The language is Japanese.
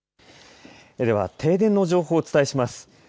では停電の情報をお伝えします。